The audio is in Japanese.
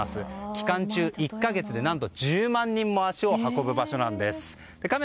期間中、１か月で何と１０万人も足を運ぶ場所なんです。